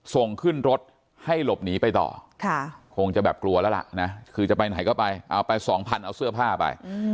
ส่งขึ้นรถให้หลบหนีไปต่อคงจะแบบกลัวแล้วล่ะนะคือจะไปไหนก็ไปเอาไปสองพันเอาเสื้อผ้าไป